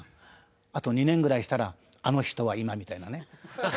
あと２年ぐらいしたら『あの人は今！？』みたいなね。